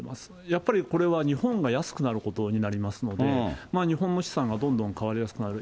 やっぱりこれは、日本が安くなることになりますので、日本の資産がどんどん買われやすくなる。